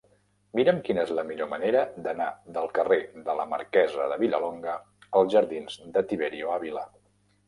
Mira'm quina és la millor manera d'anar del carrer de la Marquesa de Vilallonga als jardins de Tiberio Ávila.